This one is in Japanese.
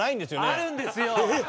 あるんですよ！